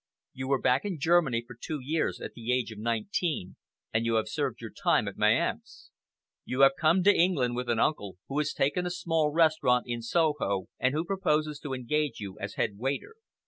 You were back in Germany for two years at the age of nineteen, and you have served your time at Mayence. You have come to England with an uncle, who has taken a small restaurant in Soho, and who proposes to engage you as head waiter.